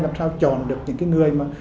làm sao chọn được những người